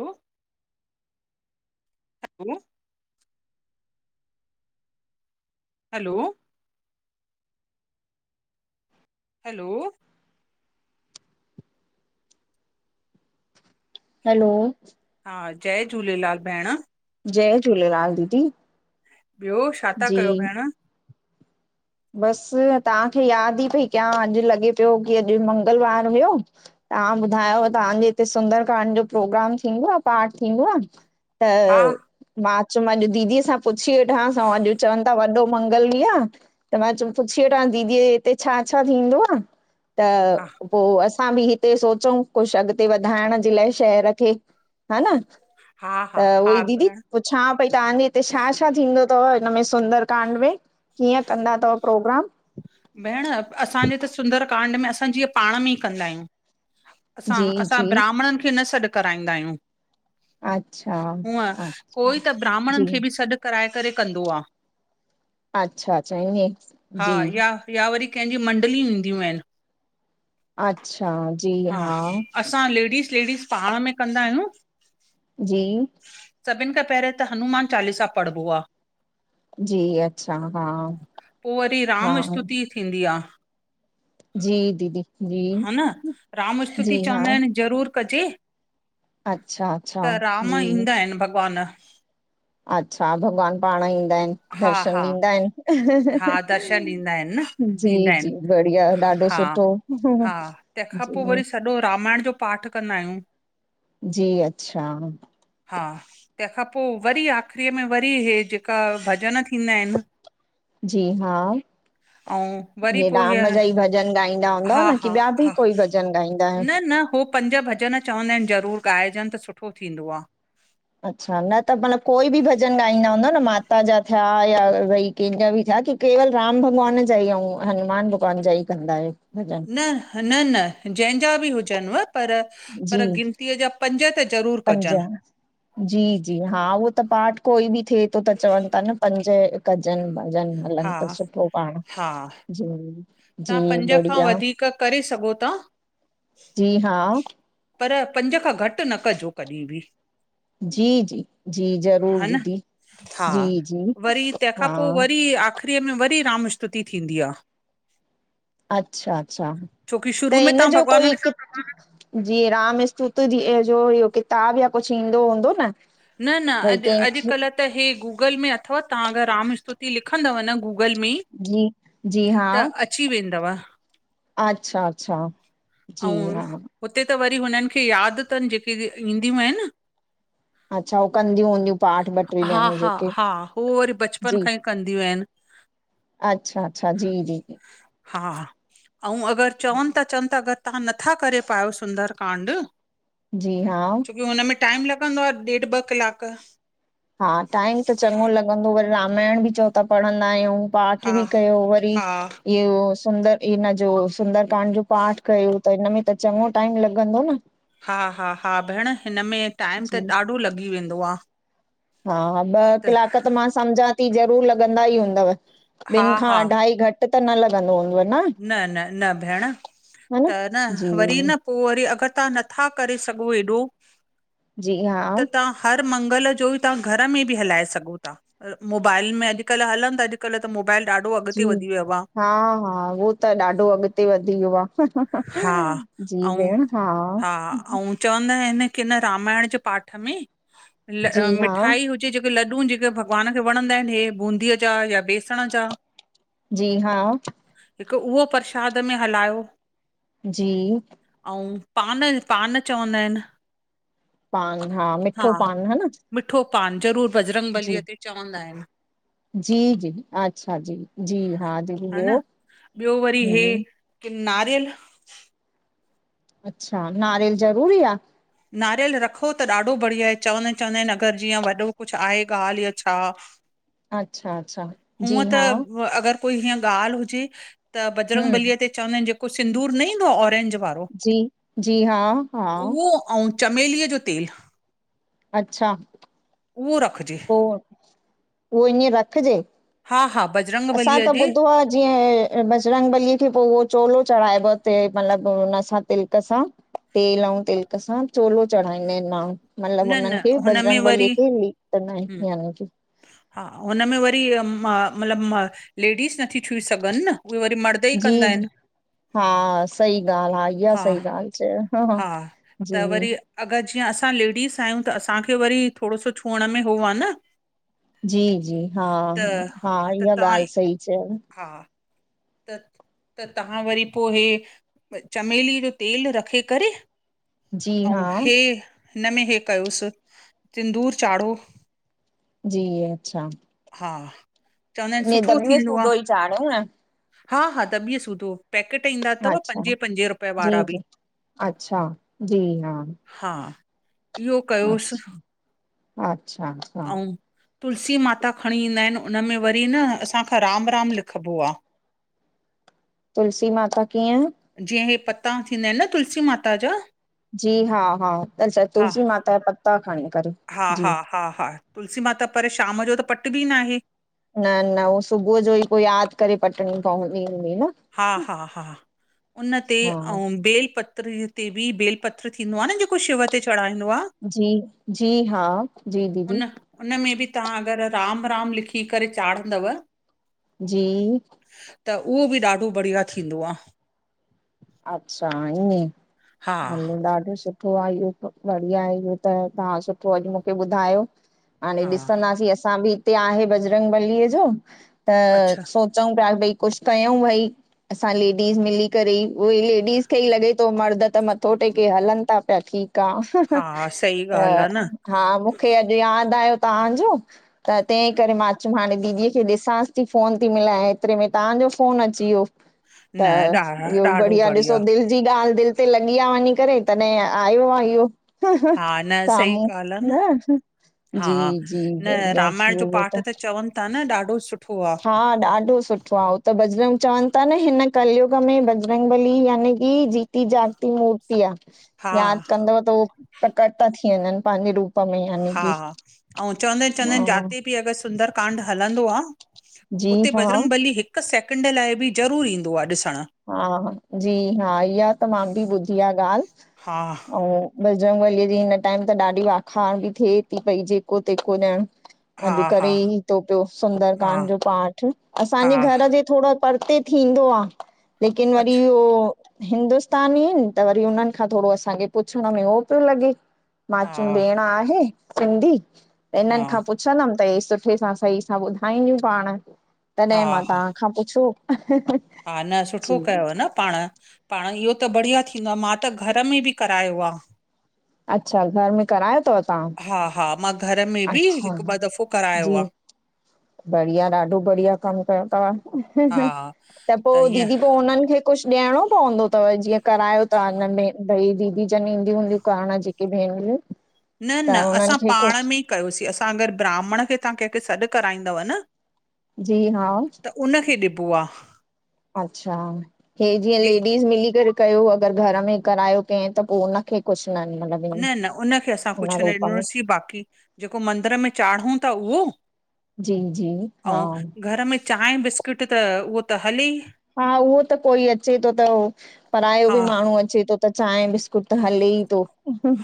हम ह न hello? Hello? Hello? हा, जय झूलेलाल भेण। जय झूलेलाल दीदी। ॿियो, शा तां कयो जी, पया? बसि, तव्हांखे यादि ई पई कयां। अॼु लॻे पियो कि, अॼु मंगलवार हुयो। तव्हां ॿुधायो तव्हांजे हिते सुंदरकांड जो प्रोग्राम थींदो आं? पाठ थींदो आं? त? हा मां चयुम अॼु दीदीअ सां पुछी वेठांसि, ऐं अॼु चवनि था वॾो मंगल ॾींहुं आं। त मां चयुम पुछी वठा, दीदी जें हिते छा- छा थींदो आं? त हा पोइ असां बि हिते सोचऊं कुझु अॻिते वधाइण जे लाइ शहर खे, हन? हा हा त, हा उअई दीदी। भेण पुछा पई तव्हांजे हिते छा- छा थींदो तव? हिन में सुंदरकांड में कीअं? कंदा तव प्रोग्राम? भेण, असांजे हिते त सुंदरकांड में असां जीअं पाण में ई कंदा आहियूं। असां जी -असां जी ब्राह्मणनि खे न सॾु कराईंदा आहियूं। अच्छा हूअं, अच्छा कोई त जी ब्राह्मणनि खे बि सॾु कराए करे कंदो आ। अच्छा- अच्छा इयें? हा जी। या या वरी कंहिंजी मंडलियु ईंदियूं आहिनि। अच्छा, जी हा। असां लेडीस- लेडीस पांण में कंदा आहियूं जी। सभिनि खां पहिरियों त हनुमान चालीसा पढ़िबो आ जी अच्छा हा पो वरी हा राम स्तुति थींदी आ जी दीदी, जी। हा न राम स्सुति जी हा चवंदाइनि ज़रूर कजे। अच्छा अच्छा त राम जी ईंदा हिनि भॻवान। अच्छा, भॻवान पांण ईंदा हिनि, हा दर्शन हा ॾींदा हिनि? हा दर्शन ॾींदा आहिनि न जी ॾींदा आहिनि -जी बढ़िया! ॾाढो हा सुठो। हा, तंहिंखां पो जी वरी सॼो रामायण जो पाठ कंदा आहियूं। जी- अच्छा। हा, तंहिंखां पो वरी आख़िरीअ में वरी हे जेका भॼन थींदा हिनि? जी- हा। ऐं वरी हे पोइ राम जा ई भॼन ॻाईंदा हूंदव हा न कि, हा ॿिया बि हा कोई भॼन गाईंदां न आहियो? न हो पंज भॼन चवंदा हिनि ज़रूर ॻाइजनि त, सुठो थींदो आ। अच्छा, न त मतिलबु कोई बि भॼन ॻाईंदा हूंदा न? माता जा थिया या भई कंहिंजा बि थिया कि, केवल राम भॻवान जा ई, अंउं हनुमान भॻवान जा ई कंदा आहियो? भॼन न- न -न, जंहिंजा बि हुजनि व पर जी पर गिनतीअ जा पंज त ज़रूर पंज कजनि। जी -जी हा, उहो त पाठ कोई बि थिए तो त, चवनि ता न पंज कजनि भॼन हलनि हा त, सुठो पांण हा जी तव्हां -जी पंज खां बढ़िया। वधीक करे सघो ता। जी -हा। पर, पंज खां घटि न कजो कॾहिं बि। जी- जी-जी ज़रूर हा न दीदी। हा, जी जी वरी तंहिंखां पो हा वरी आख़िरीअ में वरी राम स्तुति थींदी आ। अच्छा-अच्छा! छोकी त शुरू में हिन तव्हां जो कोई भॻवाननि हिकु जींअ राम स्तुती जी, जो इह्यो किताब या कुछु ईंदो हूंदो न? न-न भई अॼु कंहिंखे अॼुकल्ह त हे गूगल में अथव, तहां अगरि राम स्तुति लिखंदव न गूगल में? जी- जी हा, त अची वेंदव अच्छा- अच्छा। जी अंउं, हा हुते त वरी हुननि खे यादि तनि, जेके ईंदियूं आहिनि। अच्छा हो कंदियूं हूंदियूं पाठ ॿ टे हा ॼणियूं -हा जेके -हा, हो वरी बचपन जी खां ई कंदियूं आहिनि। अच्छा -अच्छा, जी- जी। हा। अंउ, अगरि चवनि ता चवनि त अगरि तहां नथा करे पायो सुंदर कांड? जी -हा। छोकी हुनमें टाइम लॻंदो आ ॾेढु ॿ किलाक हा, टाइम त चङो लॻंदो, वरी रामायण बि चओ ता, पढ़ंदा आहियंउं पाठ हा बि कयो वरी हा इहो सुंदर इन जो सुंदरकांड जो पाठ कयो त, इनमें त चॻो टाइम लॻंदो न? हा-हा-हा भेण, हिन में टाइम त जी ॾाढो लॻी वेंदो आं। हा ॿ कलाक त मां सम्झां ती, ज़रूर लॻंदा ई हूंदव? हा ॿिनि खां हा अढाई घ घटि त न लॻंदो हूंदोव न न न भेण हन? पो वरी अगरि तव्हां नथा करे सघो एॾो, जी हा त तां हर मंगल जो ई तव्हां घर में ॿि हलाए सघो ता, मोबाइल में अॼकल्ह हलंद था अॼ अॼुकल्ह त मोबाइल ॾाढो अॻिते वधी वियो आं। हा-हा उहो त ॾाढो अॻिते वधी वियो आं। हा जी ऐं भेण हा। चवंदा आहिनि कि न रामायण जे पाठ में जी हा मिठाई हुजे जेके लॾु जेके भॻवान खे वणंदा आहिनि, हे बूंदीअ जा या बेसण जा। जी हा हिकु उहो प्रशाद में हलायो। जी अंउ पान, पान चवंदा ऐंन। पान हा मिठो पान ह न? मिठो पान ज़रूर बजरंग बलीअ ते चवंदा ऐंन। जी-जी, अच्छा जी, जी हा दीदी ॿियो? ॿियो वरी हे की नारियल अच्छा, नारियल ज़रूरी आं? नारियल रखो त ॾाढो बढ़िया आहे चवंदा आहिनि, चवंदा आहिनि अगरि जीअं वॾो कुछु आहे ॻाल्हि या छा अच्छा अच्छा जी हुअं त हा अगर कोई हीअं ॻाल्हि हुजे, त बजरंग हम्म बलीअ ते चवंदा आहिनि, जेको सिंदूर न ईंदो आहे ऑरेंज वारो? जी, जी हा-हा। अंउ चमेलीअ जो तेल। अच्छा उहो रखिजे। पो, उहो ईअं रखजे? हा-हा बजरंग असां बलीअ त जी ॿुधो आं, जीअं बजरंग बलीअ खे पो उहो चोलो चढ़ाइबो आ उते मतलबु हुन सां तिलक सां? तेल अंउ तिलक सां, चोलो चढ़ाईंदा आहिनि माण्हू। मतलब न न उन्हनि खे हुनमें बजरंग वरी बलीअ खे, लेप कन्दा हम्म, आहिनि यानि कि। हा, हुन में वरी ई म म मतिलब लेडीस नथी छूई सघनि न? उहे वरी मर द ई जी कंदा जी आहिनि। हा, सही ॻाल्हि हा इहा सही ॻाल्हि चंयव, हा त जी। वरी अगरि जीअं असां लेडीस आहियूं त, असांखे वरी थोरणो सो छुअण में हो आं न। जी-जी, हा, त हा त इहा तव्हां ॻाल्हि सही चंयव। हा त त तव्हां वरी पो हे चमेली जो तेल रखे करे जी हा अंउ, हे हिन में हे कयोसि, सिदूंर चाढ़ो। जी, अच्छा हा, चवंदा आहिनि, सुठो थींदो आं। चाणु न? हा-हा दॿिय सुधो। पैकेट ईंदा तव, अच्छा पंजे-पंजे रुपये वारा जी जी बि। अच्छा जी हा। इहो कयोसि अचछा, अच्छा। अंउ तुलसी माता खणी ईंदा आहिनि। उन में वरी न असांखां राम राम लिखिबो आं। तुलसी माता कीअं? जीअं हे पत्ता थींदा आहिनि न तुलसी माता जा। जी हा हा, अच्छा हा तुलसी माता जा पत्ता खणी करे हा हा जी। हा हा तुलसी माता पर शाम जो त पटबी न आहे। न न उहो सुबुह जो ई पो यादि करे पटिणी पवंदी हूंदी न? हा हा हा, उन ते, हा अंउ बेल पत पत्र ते भी बेल-पत्र थींदो आ न जेको शिव ते चढ़ाईंदो आ? जी, जी हा, जी दीदी। उन में बि तव्हां अगरि राम-राम लिखी करे चाढ़ंदव जी। त उहो बि ॾाढो बढ़िया थींदो आ। अच्छा ईअं? हा हलो ॾाढो सुठो। सुठो आहे इहो त, बढ़िया आहे इहो त, तव्हां सुठो अॼु मूंखे ॿुधायो। हाणे हा ॾिसंदासीं असां बि हिते आहे बजरंग बलीअ जो, त अच्छा, सो -चयूं पिया भई कुछु कयूं भई, असां लेडीस मिली करे ई उहो ई लेडीस खे ई लॻे थो, मर्द त मथो टेके हलनि था पिया, ठीक आ। त हा सही ॻाल्हि आ न, हा मूंखे अॼु यादि आयो तव्हांजो त तंहिं करे मां चयुमि हाणे दीदीअ खे ॾिसांसि थी, फ़ोन थी मिलायां एतिरे में तव्हांजो फ़ोन अची वियो। न त, ॾा इहो ॾाढो बढ़िया बढ़िया। ॾिसो दिलि जी ॻाल्हि दिलि ते लॻी आं वञी करे, तॾहिं आयो आं इहो हा न सही साम्हूं, ॻाल्हि आ न? जी हा जी बढ़िया थी इहो त। तां न ॾाढो सुठो आ, हा, ॾाढो सुठो आ त बजरंग चवनि था न हिन कलयुग में बजरंग बली याने कि जीती जागती मूर्ति आ। हा यादि कंदव त उहो प्रकट था थी वञनि पंहिंजे रूप में यानी हा, की अंउ चवंदा आहिनि, चवंदा आहिनि हा जाते कि अगरि सुंदर कांड हलंदो आ, जी उते हा बजरंग बली हिकु हिकु सेकिड लाइ बि ज़रूरु ईंदो आहे ॾिसणु। हा, हा जी हा, इहा त मां बि ॿुधी आहे ॻाल्हि, हा अंउ बजरंग बलीअ जी हिन टाइम त ॾाढी आखाण बि थिए थी पई जेको तेको ॼणु हा अॼु करे हा ई थो पियो हा सुंदरकांड जो पाठ, असांजे हा घर जे थोड़ा परते थींदो आ, लेकिन वरी अच्छा उहो हिंदुस्तानी आहिनि। त वरी उन्हनि खां थोरो असांखे पुछण में उहो पियो लॻे। मां चयुम हा भेण आहे सिंधी, हा हिननि खां पुछ पुछंदमि त हे सुठे सां सही सां ॿुधाईंदियूं पाण, हा तॾहिं मां हा तव्हां खां पुछो। ह-ह-ह। हा, न सुठो कयव न पाण, पाण इहो त बढ़िया थींदो आं, मां त घर में बि करायो आहे। अच्छा, घर में करायो तव तां? हा हा, मां घर में बि हिकु ॿ दफ़ो करायो जी आ। बढ़िया, ॾाढो बढ़िया कम कयो तव्। हा त पोइ दीदी पोइ हुनननि खे? कुछु ॾियणो पवंदो तवि? जीअं करायो था हिनमें। भई, दीदी जनि ईंदी हूंदीूं करणा जेके भेनरियूं? न-न, त हुननि असां खे पाण में ई कुझु कयोसीं असां। अगर ब्राह्मण खे तव्हां केहखे सॾ कराईंदव न? जी, हा! त, उनखे ॾिबो आहे। अच्छा! हे, जीअं लेडीस मिली करे कयो, अगरि घर में करायो कंहिं त, पोइ हुननखे कुझु न। मतलब न-न, उन खे असां कुझु न ॾिनोसीं। बाक़ी जेको मंदर में चाढ़ूं था उहो? जी जी हा ऐं, घर में चाह बिस्कुट त, उहो त हले ई। हां, उहो त कोई अचे थो त। परायो हा बि माण्हू अचे थो। त चाह बि कुझ त हले ई थो।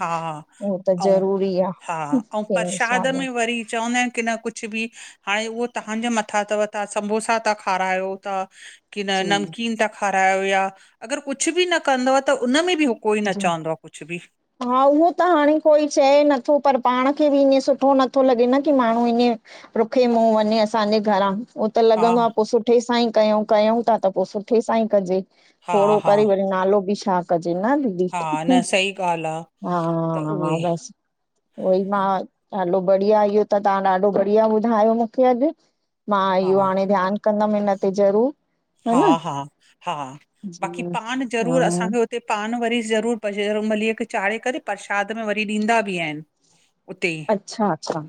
हा त ज़रूरी हे आहे। पर्रशाद में वरी चवंदा आहिनि की न कुझु कुझु बि। हाणे उहो तव्हांजे मथां अथव। तव्हां सम्बोसा था खारायो था। की न, जी नमकीन था खारायो या। अगरि कुझु बि न कंदोव। त उन में बि हु कोई चॉऊदो कुझु बि। हां, उहो त हाणे कोई चए नथो। पर पाण खे बि ईअं सुठो नथो लॻे न। की माण्हू ईअं रूखे मुहुं वञे, असांजे घरां। त हा लॻंदो आहे। पोइ सुठे सां ई कयूं-कयूं था। त पोइ सुठे सां ई कजे। हा थोरो हा करे, वरी नालो बि छा कजे? न दी, हा न सही ॻाल्हि आहे त उहे हां बसि। उहोई, मां ॾाढो बढ़िया, इहो त तव्हां ॾाढो बढ़िया ॿुधायो मूंखे अॼु। मां हा इहो हाणे ध्यानु कंदमि हिन ते ज़रूर। हां, हां-हां, बाक़ी पान हा जरूरु असांखे उते, पान वरी ज़रू करर बजरंगबली खे चाढ़े करे पर्रशाद में वरी ॾींदा बि आहिनि। उते ई अच्छा-अच्छा!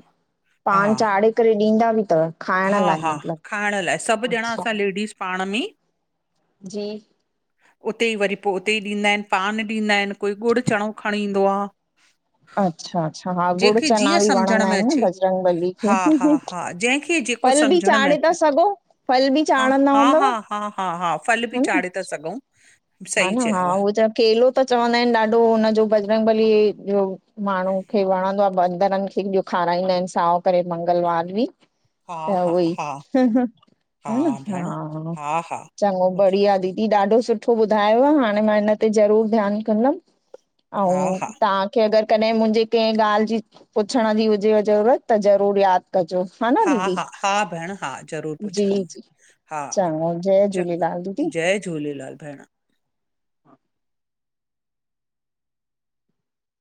पान चाढ़े करे ॾींदा बि अथव। हां-हां, खाइण लाइ, सभु ॼणा अच्छा असां लेडीस पाण में। जी। उते ई वरी, पोइ उते ई ॾींदा आहिनि। पान ॾींदा आहिनि। कोई ॻुड़ चणो खणी ईंदो आहे। अच्छा अच्छा हा गुड़ जेहिंकखे चना जीअं बि सम्झण वणंदा में आहिनि न अचे। बजरंग बली खे। हां, हां-हां जंहिंखे फल बि सम्झण में चाढ़े था अचे। सघो फल बि हां, चाढ़ंदा हूंदव हां-हां, हां-हां फल बि चाढ़े अथस। सघूं हां, सही न हां, चयव उह त केलो त चवंदा आहिनि। ॾाढो हुनजो बजरंग बली जो माण्हू खे वणंदो आहे। बंदरनि खे बिॾ खाराईंदा आहिनि। साओ करे मंगलवार डी। हा त हा उहई, हा हां, हा भेण हा हा चङो हा बढ़िया दी। ॾाढो सुठो ॿुधायो आहे। हाणे मां हिन ते ज़रूर ध्यानु कंदमि। हा ऐं तव्हां की, अगरि कॾहिं मुंहिंजे कंहिं ॻाल्हि जी पुछण जी हुजेव ज़रूरत त ज़रूर यादि कजो। हा न हां, दीदी हां-हां, भेण हां, ज़रूरु, जी पुछंदम, जी हां, चङो जय झूलेलाल चगो। दीदी जय झूलेलाल! भेण। [inaudible]